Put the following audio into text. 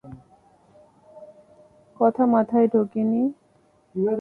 কথা মাথায় ঢোকেনি?